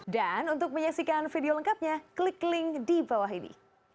dan untuk menyaksikan video lengkapnya klik link di bawah ini